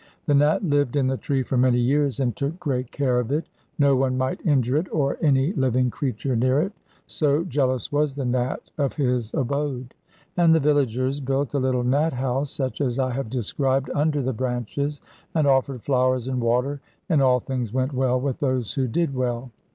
The Nat lived in the tree for many years, and took great care of it. No one might injure it or any living creature near it, so jealous was the Nat of his abode. And the villagers built a little Nat house, such as I have described, under the branches, and offered flowers and water, and all things went well with those who did well.